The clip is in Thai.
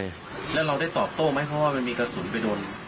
แล้วเราได้ตอบโต้ไหมเพราะว่ามันมีกระสุนไปโดน